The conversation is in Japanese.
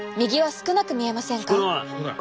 少ない。